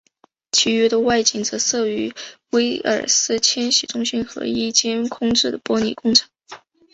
其余的外景则摄于威尔斯千禧中心和一间空置的玻璃工厂。